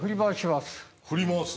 振り回す？